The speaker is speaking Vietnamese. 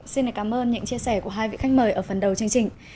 xin cảm ơn những chia sẻ của hai vị khách mời ở phần đầu chương trình